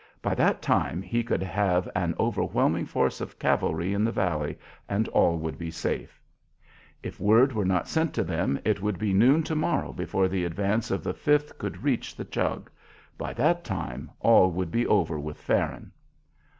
By that time he could have an overwhelming force of cavalry in the valley, and all would be safe. If word were not sent to them it would be noon to morrow before the advance of the Fifth would reach the Chug. By that time all would be over with Farron.